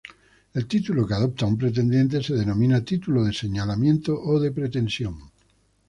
El título que adopta un pretendiente se denomina título de señalamiento o de pretensión.